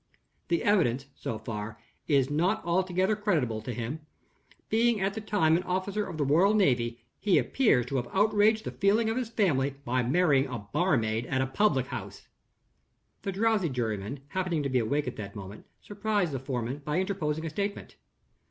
The evidence, so far, is not altogether creditable to him. Being at the time an officer of the Royal Navy, he appears to have outraged the feelings of his family by marrying a barmaid at a public house." The drowsy juryman, happening to be awake at that moment, surprised the foreman by interposing a statement.